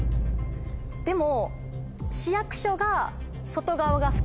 でも。